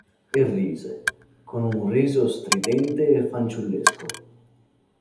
E rise, con un riso stridente e fanciullesco.